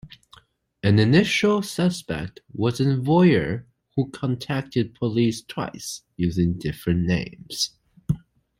An initial suspect was a voyeur who contacted police twice, using different names.